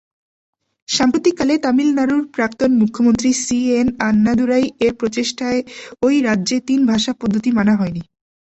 সাম্প্রতিককালে, তামিলনাড়ুর প্রাক্তন মুখ্যমন্ত্রী সি এন আন্নাদুরাই-এর প্রচেষ্টায় ওই রাজ্যে তিন ভাষা পদ্ধতি মানা হয়নি।